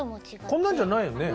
こんなんじゃないよね。